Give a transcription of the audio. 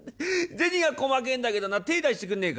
銭が細けえんだけどな手ぇ出してくんねえか」。